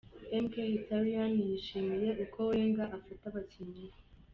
Mkhitaryan yishimiye uko Wenger afata abakinnyi be.